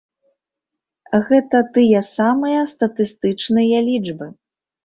Гэта тыя самыя статыстычныя лічбы!